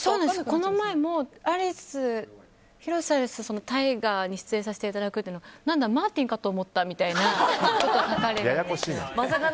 この前も、広瀬アリス大河に出演させていただくってなんだマーティンかと思ったみたいなこと書かれて。